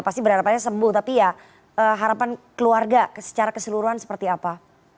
pasti berharapannya sembuh tapi ya harapan keluarga secara keseluruhan seperti apa